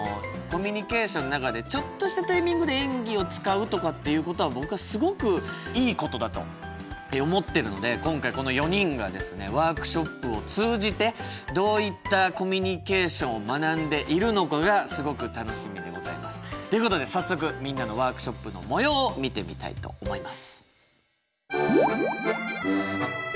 コミュニケーションの中でちょっとしたタイミングで演技を使うとかっていうことは僕はすごくいいことだと思ってるので今回この４人がですねワークショップを通じてどういったコミュニケーションを学んでいるのかがすごく楽しみでございます。ということで早速みんなのワークショップのもようを見てみたいと思います。